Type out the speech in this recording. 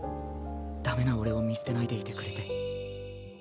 ダメな俺を見捨てないでいてくれて。